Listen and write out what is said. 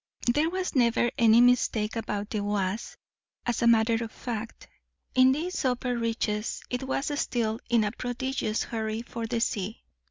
There was never any mistake about the Oise, as a matter of fact. In these upper reaches it was still in a prodigious hurry for the sea.